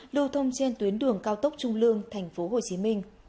lưu thông trên tuyến đường cao tốc trung lương tp hcm